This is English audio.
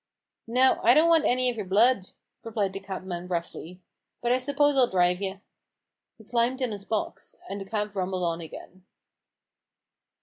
" No ; I don't want any of yer blood," replied the cabman roughly :" but I suppose I'll drive you." He climbed on his box, and the cab rumbled on again.